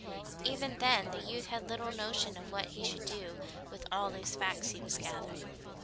Even then the youth had little notion of what he should do with all the facts he was gathering.